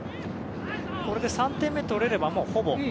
これで３点目、取れればほぼ。